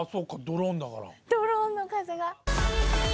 ドローンの風が。